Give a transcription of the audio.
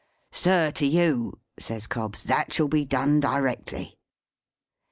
"Sir, to you," says Cobbs, "that shall be done directly."